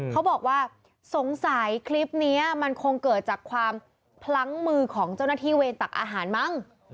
เขาบอกว่าสงสัยคลิปนี้มันคงเกิดจากความพลั้งมือของเจ้าหน้าที่เวรตักอาหารมั้ง